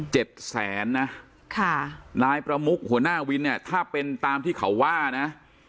แสนนะค่ะนายประมุกหัวหน้าวินเนี่ยถ้าเป็นตามที่เขาว่านะ